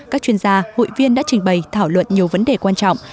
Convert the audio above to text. các chuyên gia hội viên đã trình bày thảo luận nhiều vấn đề quan trọng